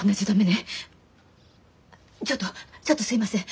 ちょっとちょっとすいません